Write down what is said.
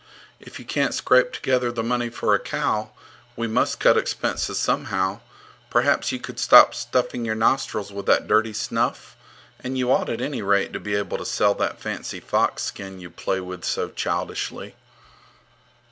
If you can't scrape together the money for a cow, we must cut expenses somehow. Perhaps you could stop stuffing your nostrils with that dirty snuff? And you ought at any rate to be able to sell that fancy fox skin you play with so childishly.